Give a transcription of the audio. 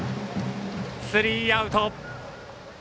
スリーアウト。